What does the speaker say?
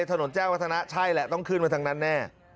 ถนนแจ้งวัฒนะใช่แหละต้องขึ้นมาทางนั้นแน่